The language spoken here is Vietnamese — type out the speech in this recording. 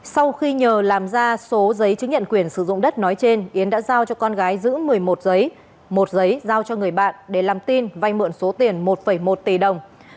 sau khi nhờ làm ra số giấy chứng nhận quyền sử dụng đất nói trên yến đã giao cho con gái giữ một mươi một giấy một giấy giao cho người bạn để làm tin vay mượn số tiền một một tỷ đồng